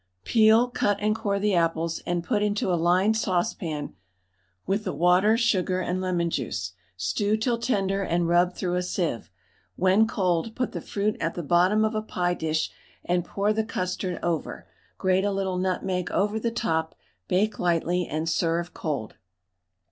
Peel, cut and core the apples and put into a lined saucepan with the water, sugar, and lemon juice, stew till tender and rub through a sieve; when cold put the fruit at the bottom of a pie dish and pour the custard over, grate a little nutmeg over the top, bake lightly, and serve cold.